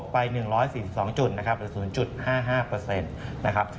ปิดไป๒๖๒๑๔จุดนะครับ